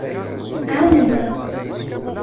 Ɛawnent-aɣ.